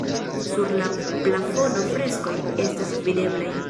Sur la plafono freskoj estas videblaj.